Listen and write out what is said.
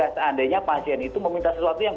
seandainya pasien itu meminta sesuatu yang